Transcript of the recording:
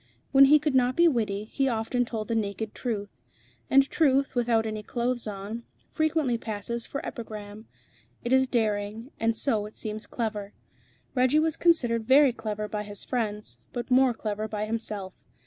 When he could not be witty, he often told the naked truth; and truth, without any clothes on, frequently passes for epigram. It is daring, and so it seems clever. Reggie was considered very clever by his friends, but more clever by himself.